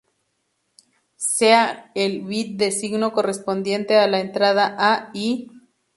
Sea J el bit de signo correspondiente a la entrada A, y...